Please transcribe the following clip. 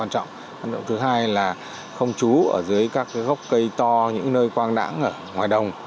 thứ hai là không trú ở dưới các cái gốc cây to những nơi quang đẳng ở ngoài đồng